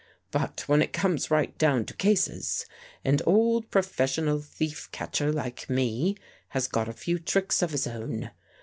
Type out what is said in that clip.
But when it comes right down to cases, an old professional thief catcher like me has got a few tricks of his own.